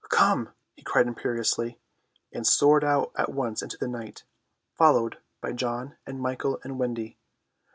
"Come," he cried imperiously, and soared out at once into the night, followed by John and Michael and Wendy.